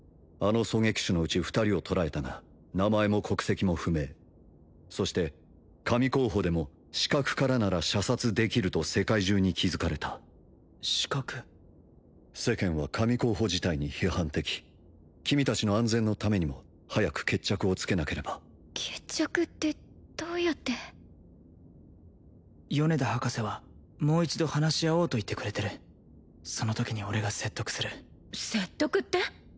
あの狙撃手のうち２人を捕らえたが名前も国籍も不明そして神候補でも死角からなら射殺できると世界中に気づかれた死角世間は神候補自体に批判的君達の安全のためにも早く決着をつけなければ決着ってどうやって米田博士はもう一度話し合おうと言ってくれてるそのときに俺が説得する説得って？